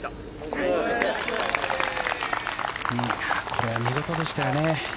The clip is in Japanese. これは見事でしたよね。